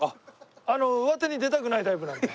あの上手に出たくないタイプなんで。